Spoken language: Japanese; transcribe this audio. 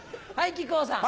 木久扇さん。